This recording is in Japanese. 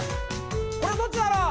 これどっちだろう？